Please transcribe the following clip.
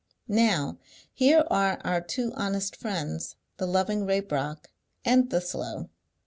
Now, here are our two honest friends, the loving Raybrock and the slow.